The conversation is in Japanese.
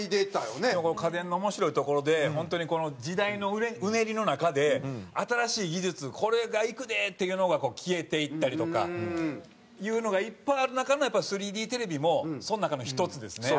これ家電の面白いところで本当に時代のうねりの中で新しい技術これがいくでっていうのが消えていったりとかいうのがいっぱいある中のやっぱ３Ｄテレビもその中の１つですね。